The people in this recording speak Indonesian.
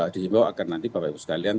dihimbau agar nanti bapak ibu sekalian